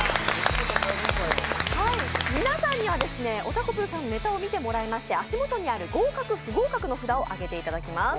皆さんには、おたこぷーさんのネタを見ていただきまして足元にある合格・不合格の札を上げていただきます。